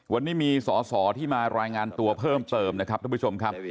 วันนี้มีสอสอที่มารายงานตัวเพิ่มเติมนะครับท่านผู้ชมครับ